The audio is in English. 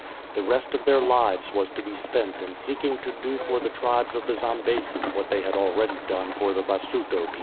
The rest of their lives was to be spent in seeking to do for the tribes of the Zambesi what they had already done for the Basuto people.